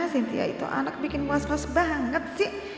cynthia itu anak bikin muas muas banget sih